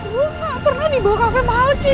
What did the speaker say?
gua gak pernah dibawa ke kafe malki